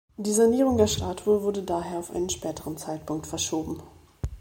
Die Sanierung der Statue wurde daher auf einen späteren Zeitpunkt verschoben.